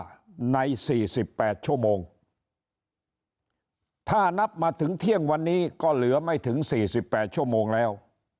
ใน๔๘ชั่วโมงถ้านับมาถึงเที่ยงวันนี้ก็เหลือไม่ถึง๔๘ชั่วโมงแล้ว